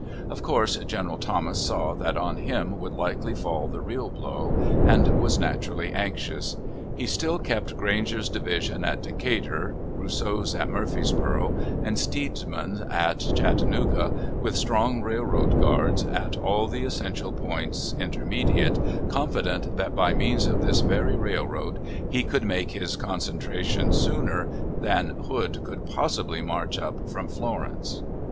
Of course, General Thomas saw that on him would likely fall the real blow, and was naturally anxious. He still kept Granger's division at Decatur, Rousseau's at Murfreesboro', and Steedman's at Chattanooga, with strong railroad guards at all the essential points intermediate, confident that by means of this very railroad he could make his concentration sooner than Hood could possibly march up from Florence.